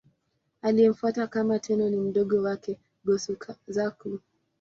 Aliyemfuata kama Tenno ni mdogo wake, Go-Suzaku.